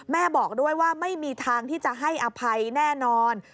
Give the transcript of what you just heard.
แม่บอกด้วยว่าไม่มีทางที่จะให้อภัยแน่นอน